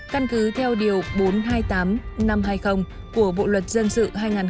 căn cứ theo điều bốn trăm hai mươi tám năm trăm hai mươi của bộ luật dân sự hai nghìn một mươi năm